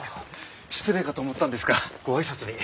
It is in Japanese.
失礼かと思ったんですがご挨拶に。